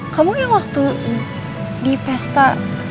kamu yang waktu di pesta